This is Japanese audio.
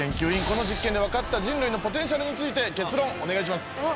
この実験で分かった人類のポテンシャルについて結論お願いします。